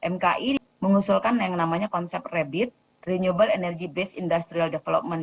mki mengusulkan yang namanya konsep rabit renewable energy based industrial development